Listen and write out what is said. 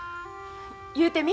言うてみ。